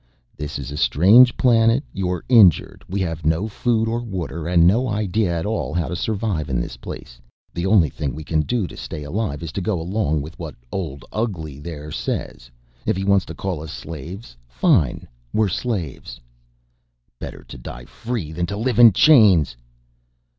"This is a strange planet, you're injured, we have no food or water, and no idea at all how to survive in this place. The only thing we can do to stay alive is to go along with what Old Ugly there says. If he wants to call us slaves, fine we're slaves." "Better to die free than to live in chains!"